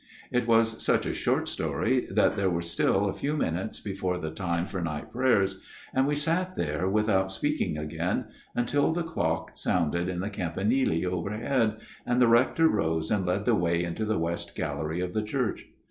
It was such a short story that there were still a few minutes before the time for night prayers, and we sat there without speaking again until the clock FATHER STEIN'S TALE 261 sounded in the campanile overhead, and the Rector rose and led the way into the West gallery of the church.